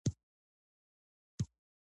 هغه د اصفهان له فتحې وروسته ولس ته ډاډ ورکړ.